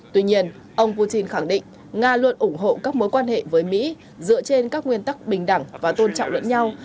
tuy nhiên ông putin khẳng định nga luôn ủng hộ các mối quan hệ với mỹ dựa trên các nguyên tắc bình đẳng và tôn trọng lẫn nhau